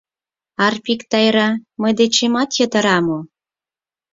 Арпик Тайра мый дечемат йытыра мо?..